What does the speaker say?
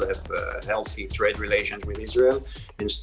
memiliki hubungan berkaitan dengan israel yang sehat